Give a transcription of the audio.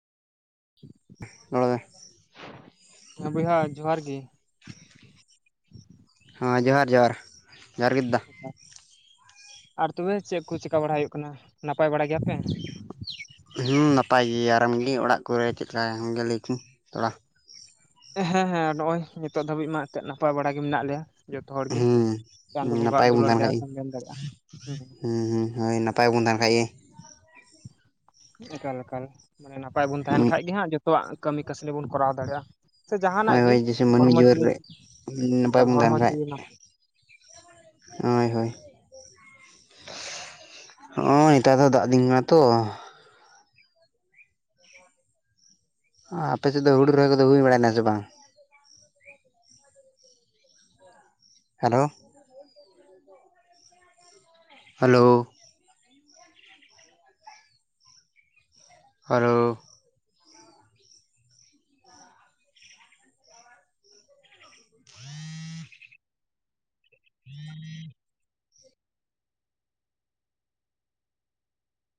ᱨᱚᱲ ᱢᱮ, ᱦᱮᱸ ᱵᱚᱭᱦᱟ ᱡᱚᱦᱟᱨ ᱜᱮ। ᱦᱚᱸ ᱡᱚᱦᱟᱨ ᱡᱚᱦᱟᱨ ᱡᱚᱦᱟᱨ ᱜᱮᱫ ᱫᱟ। ᱟᱨ ᱛᱚᱵᱮ ᱪᱮᱫ ᱠᱚ ᱪᱮᱠᱟ ᱵᱟᱲᱟ ᱦᱩᱭᱩᱜ ᱠᱟᱱᱟ, ᱱᱟᱯᱟᱭ ᱵᱟᱲᱟᱭ ᱜᱮᱭᱟᱯᱮ? ᱦᱩᱸ ᱱᱟᱯᱟᱭ [unintelligible] ᱜᱮᱭᱟᱞᱤᱧ ᱚᱲᱟᱜ ᱠᱚᱨᱮ ᱜᱮ [unintelligible] ᱞᱮᱠᱤᱱ ᱛᱷᱚᱲᱟ, ᱦᱮᱸ ᱦᱮᱸ ᱱᱚᱜ ᱚᱭ ᱱᱤᱛᱚᱜ ᱫᱷᱟᱹᱵᱤᱡ ᱢᱟ ᱮᱱᱛᱮ ᱱᱟᱯᱟᱭ ᱵᱟᱲᱟ ᱜᱮ ᱢᱮᱱᱟᱜ ᱞᱮᱭᱟ। ᱡᱚᱛᱚ ᱦᱚᱲ ᱜᱮ, ᱪᱟᱸᱫᱳ ᱦᱮᱸ ᱵᱚᱸᱜᱟᱣᱟᱜ ᱱᱟᱯᱟᱭ ᱫᱩᱞᱟᱹᱲ ᱫᱟᱭᱟ ᱛᱮᱢ ᱢᱮᱱ ᱫᱟᱲᱮᱭᱟᱜᱼᱟ ᱦᱩᱸ। ᱦᱩᱸ ᱦᱩᱸ ᱦᱳᱭ [unintelligible] ᱱᱟᱯᱟᱭ, ᱯᱟᱭ ᱵᱚᱱ ᱛᱟᱦᱮᱱ ᱠᱷᱟᱡ ᱜᱮ। ᱮᱠᱟᱞ ᱮᱠᱟᱞ ᱢᱟᱱᱮ ᱱᱟᱯᱟᱭ ᱵᱚᱱ ᱛᱟᱦᱮᱱ ᱠᱷᱟᱡ ᱜᱮᱦᱟᱸᱜ ᱡᱚᱛᱚ, [unintelligible] ᱡᱚᱛᱚᱣᱟᱜ ᱠᱟᱹᱢᱤ ᱠᱟᱹᱥᱱᱤ ᱵᱚᱱ ᱠᱚᱨᱟᱣ ᱫᱟᱲᱮᱭᱟᱜᱼᱟ। ᱥᱮ ᱡᱟᱦᱟᱱᱟᱜ ᱦᱳᱭ ᱜᱮ, ᱦᱳᱭ ᱡᱮᱭᱥᱮ ᱢᱟᱹᱱᱢᱤ ᱦᱚᱲᱢᱚ ᱡᱤᱭᱚᱱ ᱡᱤᱣᱤ ᱨᱮ ᱱᱟᱯᱟᱭ ᱮᱠᱟᱞ ᱵᱚᱱ ᱛᱟᱦᱮᱱ ᱦᱚᱲᱢᱚ ᱠᱷᱟᱡ ᱡᱤᱣᱤ [unintelligible] ᱱᱟᱯᱟᱭ, ᱦᱳᱭ ᱦᱳᱭ। ᱦᱚᱸᱜᱚᱭ ᱱᱮᱛᱟᱨ ᱫᱚ ᱫᱟᱜ ᱫᱤᱱ ᱠᱟᱱᱟ ᱛᱚ, ᱟᱯᱮᱥᱮᱫ ᱫᱚ ᱦᱩᱲᱩ ᱨᱚᱦᱚᱭ ᱠᱚᱫᱚ ᱦᱩᱭ ᱵᱟᱲᱱᱟ ᱥᱮ ᱵᱟᱝ, ᱦᱮᱞᱳ ᱦᱮᱞᱳ ᱦᱮᱞᱳ